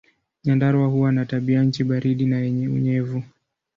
Nyandarua huwa na tabianchi baridi na yenye unyevu.